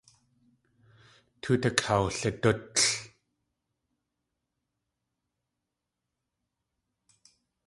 Tóot akawlidútl.